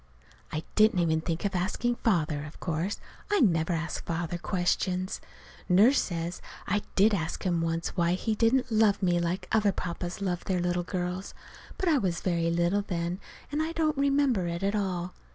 I didn't even think of asking Father, of course. I never ask Father questions. Nurse says I did ask him once why he didn't love me like other papas loved their little girls. But I was very little then, and I don't remember it at all.